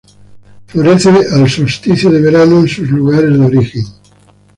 Florece al solsticio de verano, en sus lugares de origen.